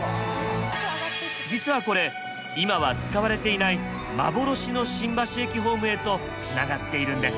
実はこれ今は使われていない幻の新橋駅ホームへとつながっているんです。